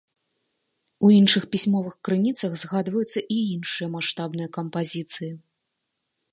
У іншых пісьмовых крыніцах згадваюцца і іншыя маштабныя кампазіцыі.